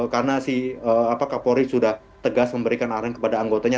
karena si kapolri sudah tegas memberikan arahan kepada anggotanya